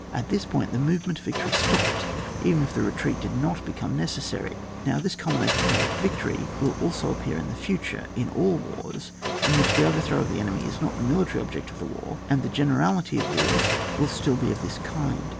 At this point, the movement of victory stopped, even if a retreat did not become necessarj. Now, this culminating point of victory will also appear in the future, in all wars in which the overthrow of the enemy is not the military object of the war; and the generality of wars will still be of this kind.